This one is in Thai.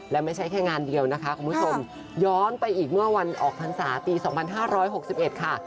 และไม่ใช่แค่งานเดียวนะคะคุณผู้ชมย้อนไปอีกเมื่อวันออกพรรษาปี๒๕๖๑ค่ะ